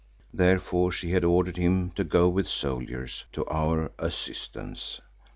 Therefore she had ordered him to go with soldiers to our assistance.